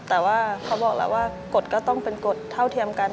แต่ว่าเขาบอกแล้วว่ากฎก็ต้องเป็นกฎเท่าเทียมกัน